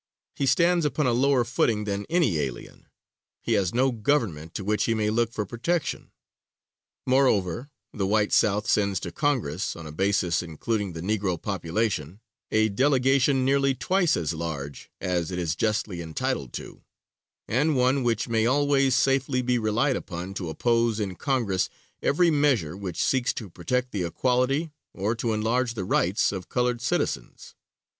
He stands upon a lower footing than any alien; he has no government to which he may look for protection. Moreover, the white South sends to Congress, on a basis including the Negro population, a delegation nearly twice as large as it is justly entitled to, and one which may always safely be relied upon to oppose in Congress every measure which seeks to protect the equality, or to enlarge the rights of colored citizens.